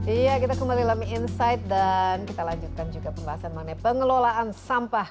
iya kita kembali dalam insight dan kita lanjutkan juga pembahasan mengenai pengelolaan sampah